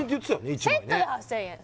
１枚ねセットで８０００円